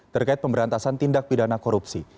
terkait pemberantasan tindak pidana korupsi